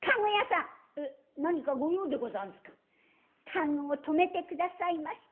「駕籠を止めて下さいまし。